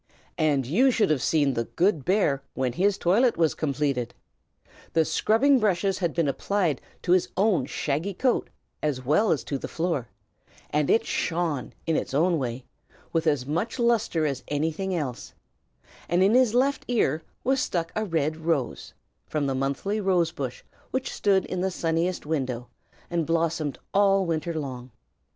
And you should have seen the good bear, when his toilet was completed! The scrubbing brushes had been applied to his own shaggy coat as well as to the floor, and it shone, in its own way, with as much lustre as anything else; and in his left ear was stuck a red rose, from the monthly rose bush which stood in the sunniest window and blossomed all winter long.